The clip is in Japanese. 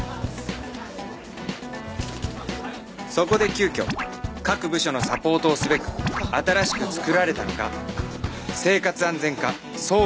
そこで急きょ各部署のサポートをすべく新しく作られたのが生活安全課総務２係